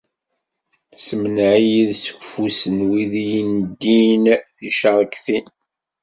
Semneɛ-iyi seg ufus n wid i yi-neddin tcerktin.